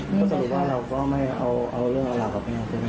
ก็สรุปว่าเราก็ไม่เอาเรื่องอะไรกับแม่ใช่มั้ย